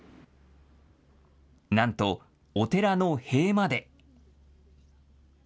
なんとお寺の塀まで。